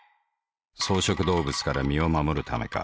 草食動物から身を護るためか。